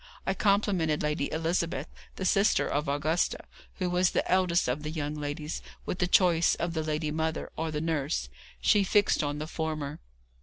I complimented Lady Elizabeth, the sister of Augustus, who was the eldest of the young ladies, with the choice of the lady mother, or the nurse. She fixed on the former.